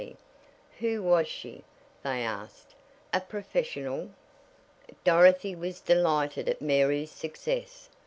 Who was she? they asked. A professional? Dorothy was delighted at Mary's success.